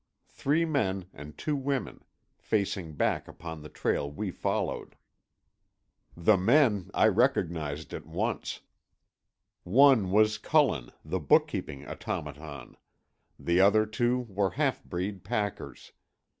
Three men and two women—facing back upon the trail we followed. The men I recognized at once. One was Cullen, the bookkeeping automaton; the other two were half breed packers.